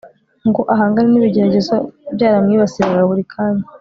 ngo ahangane nibigeragezo Byaramwibasiraga buri kanya